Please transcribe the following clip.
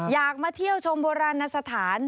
อยากมาเที่ยวโบราณสถาน